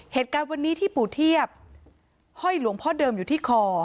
เหตุการณ์วันนี้ที่ปู่เทียบห้อยหลวงพ่อเดิมอยู่ที่คอ